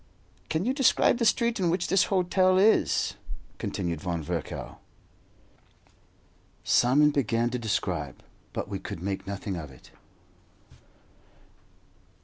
"Can you describe the street in which this hotel is?" continued Von Virchow. Simon began to describe, but we could make nothing of it.